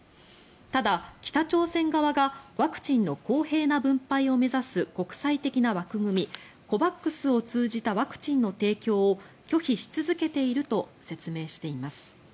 ただ、北朝鮮側がワクチンの公平な分配を目指す国際的な枠組みＣＯＶＡＸを通じたワクチンの提供を拒否し続けていると説明しています。